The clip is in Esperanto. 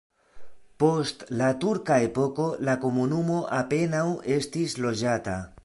Post la turka epoko la komunumo apenaŭ estis loĝata.